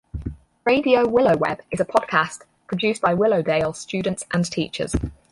Radio WillowWeb is a podcast produced by Willowdale students and teachers.